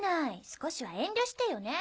少しは遠慮してよね。